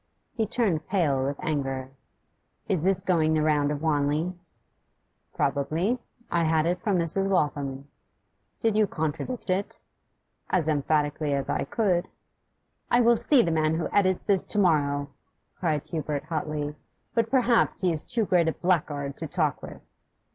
He turned pale with anger. 'Is this going the round of Wanley?' 'Probably. I had it from Mrs. Waltham.' 'Did you contradict it?' 'As emphatically as I could.' 'I will see the man who edits this to morrow,' cried Hubert hotly. 'But perhaps he is too great a blackguard to talk with.